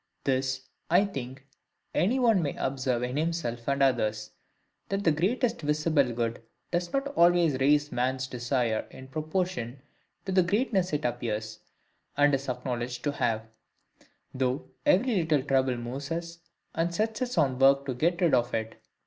This, I think, any one may observe in himself and others,—That the greater visible good does not always raise men's desires in proportion to the greatness it appears, and is acknowledged, to have: though every little trouble moves us, and sets us on work to get rid of it.